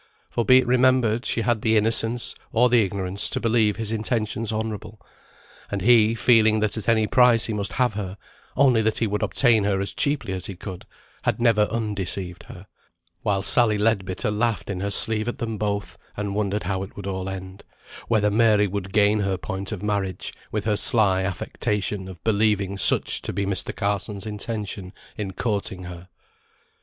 For be it remembered, she had the innocence, or the ignorance, to believe his intentions honourable; and he, feeling that at any price he must have her, only that he would obtain her as cheaply as he could, had never undeceived her; while Sally Leadbitter laughed in her sleeve at them both, and wondered how it would all end, whether Mary would gain her point of marriage, with her sly affectation of believing such to be Mr. Carson's intention in courting her.